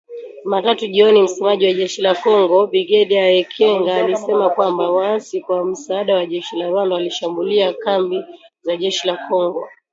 Jumatatu jioni, msemaji wa jeshi la Kongo Brigedia Ekenge, alisema kwamba “waasi kwa msaada wa jeshi la Rwanda, walishambulia kambi za jeshi la Kongo .